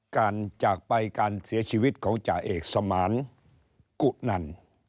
จากไปการเสียชีวิตของจ่าเอกสมานกุนัน